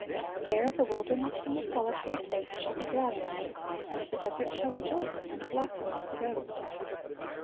(1181) There, "the wilderness and the solitary place shall be glad for them; and the desert shall rejoice, and blossom as the rose."